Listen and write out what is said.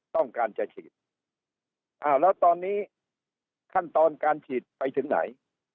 ต้องการจะฉีดอ้าวแล้วตอนนี้ขั้นตอนการฉีดไปถึงไหน